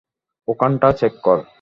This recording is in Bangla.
ওখানটা চেক কর।